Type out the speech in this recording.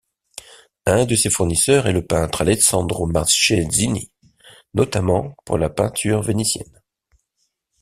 Un de ses fournisseurs est le peintre Alessandro Marchesini, notamment pour la peinture vénitienne.